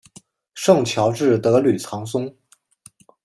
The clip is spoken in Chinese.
圣乔治德吕藏松。